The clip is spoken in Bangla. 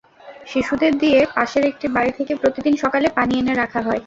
শিশুদের দিয়ে পাশের একটি বাড়ি থেকে প্রতিদিন সকালে পানি এনে রাখা হয়।